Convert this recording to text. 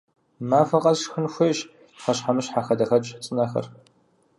Махуэ къэс шхын хуейщ пхъэщхьэмыщхьэ, хадэхэкӀ цӀынэхэр.